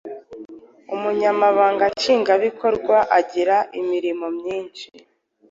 Umunyamabanga Nshingwabikorwa agira imirimo myinshi.